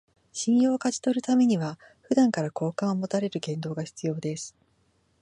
信用を勝ち取るためには、普段から好感を持たれる言動が必要です